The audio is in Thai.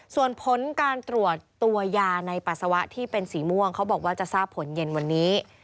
ส่วนผลการตรวจตัวยาในปัสสาวะที่เป็นสีม่วงเขาบอกว่าจะทราบผลเย็นวันนี้